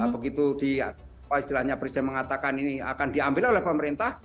begitu di oh istilahnya presiden mengatakan ini akan diambil oleh pemerintah